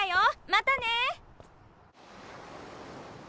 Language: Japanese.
またね！